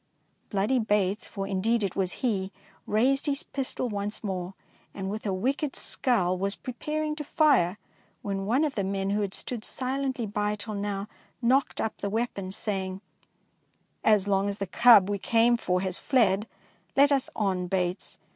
" Bloody Bates, for indeed it was he, raised his pistol once more, and with a 261 DEEDS OF DAEING wicked scowl was preparing to fire, when one of the men who had stood silently by till now knocked up the weapon, saying, — "As long as the cub we came for has fled, let us on, Bates.